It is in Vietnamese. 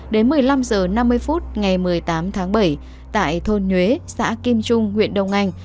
đến một mươi năm h năm mươi phút ngày một mươi tám tháng bảy tại thôn nhuế xã kim trung huyện đông anh